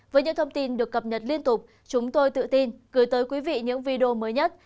với những thông tin được cập nhật liên tục chúng tôi tự tin gửi tới quý vị những video mới nhất